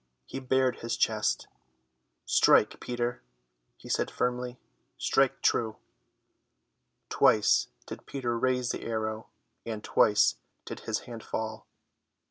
He bared his breast. "Strike, Peter," he said firmly, "strike true." Twice did Peter raise the arrow, and twice did his hand fall.